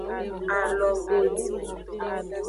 Alogodi.